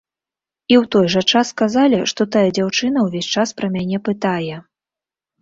І ў той жа час сказалі, што тая дзяўчына ўвесь час пра мяне пытае.